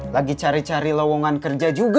lagi cari cari lowongan kerja juga